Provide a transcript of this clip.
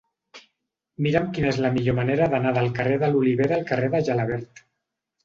Mira'm quina és la millor manera d'anar del carrer de l'Olivera al carrer de Gelabert.